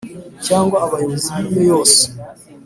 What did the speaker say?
Cyangwa abayobozi b’iyo yose